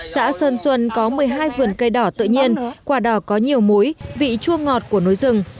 xã sơn xuân có một mươi hai vườn cây đỏ tự nhiên quả đỏ có nhiều muối vị chua ngọt của núi rừng